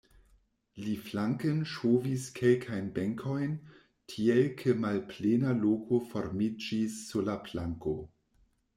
Li flanken ŝovis kelkajn benkojn, tiel ke malplena loko formiĝis sur la planko.